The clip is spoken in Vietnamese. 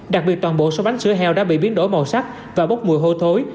đặc biệt toàn bộ số bánh sữa heo đã bị biến đổi màu sắc và bốc mùi hôi thối